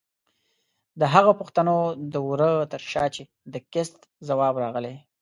د هغو پښتنو د وره تر شا چې د کېست ځواب راغلی؛